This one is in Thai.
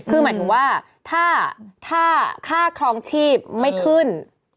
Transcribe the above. คือหมายถึงว่าถ้าค่าครองชีพไม่ขึ้น